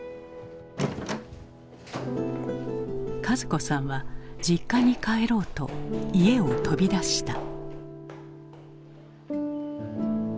一子さんは実家に帰ろうと家を飛び出した。